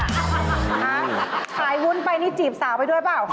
ฮะขายวุ้นไปนี่จีบสาวไปด้วยเปล่าคะ